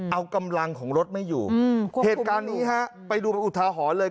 เอากำลังของรถไม่อยู่อืมวุฒิการจนไปดูอุทาหรเลย